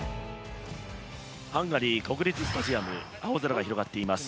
ハンガリー国立スタジアム、青空が広がっています。